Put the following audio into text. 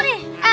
ini apa emok